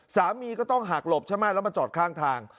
สามีก็ต้องหักหลบใช่ไหมแล้วมาจอดข้างทาง